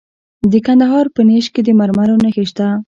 د کندهار په نیش کې د مرمرو نښې شته.